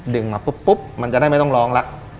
มาปุ๊บมันจะได้ไม่ต้องร้องแล้ว